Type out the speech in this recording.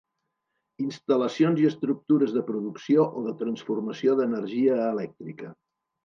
Instal·lacions i estructures de producció o de transformació d'energia elèctrica.